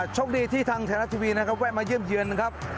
ช่วงดีที่ทางแทนรับทีวีแวะมาเยี่ยมเยือนนะครับ